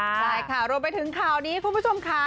ใช่ค่ะรวมไปถึงข่าวนี้คุณผู้ชมค่ะ